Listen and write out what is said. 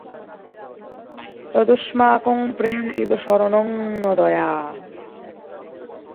তদস্মাকং প্রেম এব শরণং, ন দয়া।